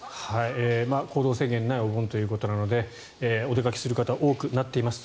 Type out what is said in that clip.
行動制限のないお盆ということなのでお出かけをする方が多くなっています。